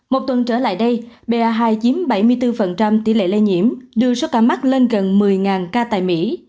một tuần trở lại đây ba hai chiếm bảy mươi bốn tỷ lệ lây nhiễm đưa số ca mắc lên gần một mươi ca tại mỹ